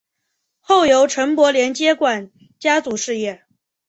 后由陈柏廷接管家族事业。